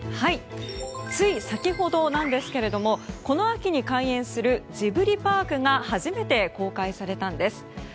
つい先ほどですがこの秋に開園するジブリパークが初めて公開されたんです。